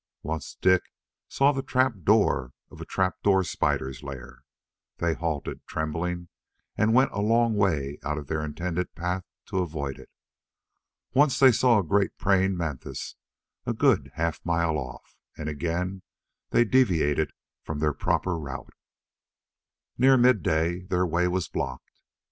Once Dik saw the trap door of a trapdoor spider's lair. They halted, trembling, and went a long way out of their intended path to avoid it. Once they saw a great praying mantis a good half mile off, and again they deviated from their proper route. Near midday their way was blocked.